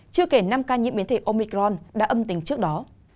chưa kể năm ca nhiễm biến thể omicron đã âm tính trước đó